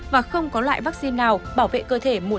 và không có loại vaccine nào bảo vệ cơ thể một trăm linh